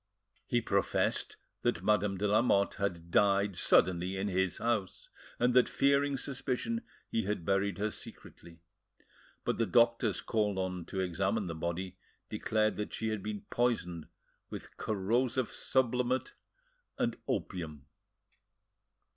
He professed that Madame de Lamotte had died suddenly in his house, and that, fearing suspicion, he had buried her secretly. But the doctors called on to examine the body declared that she had been poisoned with corrosive sublimate and opium.